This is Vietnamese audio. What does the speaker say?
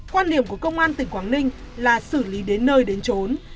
quan điểm của công an tỉnh quảng ninh là xử lý đến nơi đến trốn